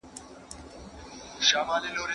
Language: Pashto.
موږ باید د خپلو ژبنیو تنوعاتو درناوی وکړو.